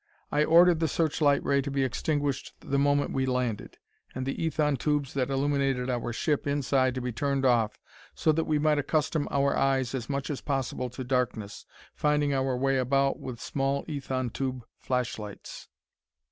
I ordered the searchlight ray to be extinguished the moment we landed, and the ethon tubes that illuminated our ship inside to be turned off, so that we might accustom our eyes as much as possible to darkness, finding our way about with small ethon tube flashlights.